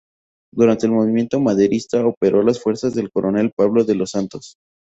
Durante el movimiento maderista operó en las fuerzas del coronel Pablo de los Santos.